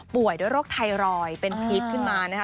ด้วยโรคไทรอยด์เป็นพีคขึ้นมานะคะ